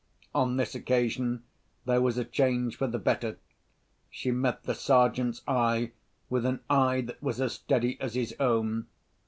On this occasion there was a change for the better. She met the Sergeant's eye with an eye that was as steady as his own.